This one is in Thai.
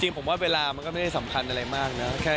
ผมว่าเวลามันก็ไม่ได้สำคัญอะไรมากนะ